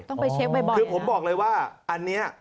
ต้องไปเช็คบ่อยคือผมบอกเลยว่าอันเนี้ย